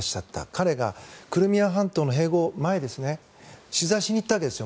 彼がクリミア半島の併合前取材しに行ったわけです。